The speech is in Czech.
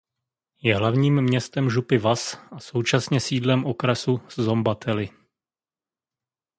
Je hlavním městem župy Vas a současně sídlem okresu Szombathely.